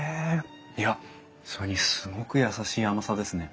いやそれにすごく優しい甘さですね。